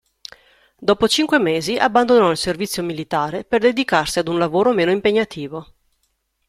Dopo cinque mesi abbandonò il servizio militare per dedicarsi ad un lavoro meno impegnativo.